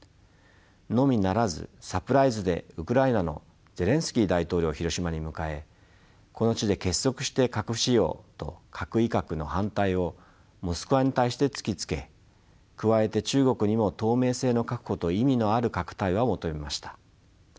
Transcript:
のみならずサプライズでウクライナのゼレンスキー大統領をヒロシマに迎えこの地で結束して核使用と核威嚇の反対をモスクワに対して突きつけ加えて中国にも透明性の確保と意味のある核対話を求めました。